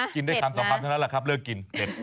กินได้คำสามารถนั้นแล้วล่ะครับเลิกกินเผ็ด